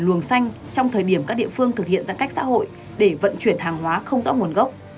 luồng xanh trong thời điểm các địa phương thực hiện giãn cách xã hội để vận chuyển hàng hóa không rõ nguồn gốc